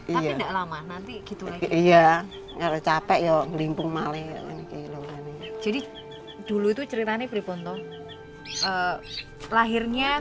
iya lama nanti gitu iya capek yo ngelimpung mali jadi dulu itu ceritanya berpontong lahirnya